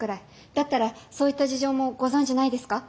だったらそういった事情もご存じないですか？